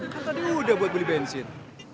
kan tadi udah buat beli bensin